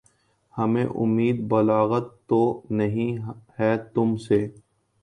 ہمیں اُمیدِ بلاغت تو نہیں ہے تُم سے